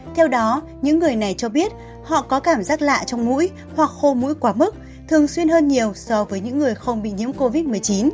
theo đó những người này cho biết họ có cảm giác lạ trong mũi hoặc khô mũi quá mức thường xuyên hơn nhiều so với những người không bị nhiễm covid một mươi chín